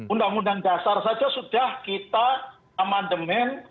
undang undang dasar saja sudah kita amandemen